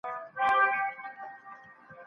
زه له پرون راهیسې کار کوم.